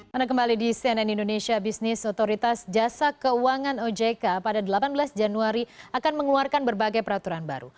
mana kembali di cnn indonesia bisnis otoritas jasa keuangan ojk pada delapan belas januari akan mengeluarkan berbagai peraturan baru